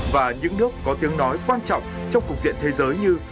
và những nước có tiếng nói quan trọng trong cục diện thế giới như